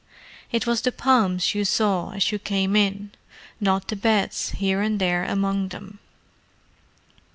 It was the palms you saw as you came in—not the beds here and there among them.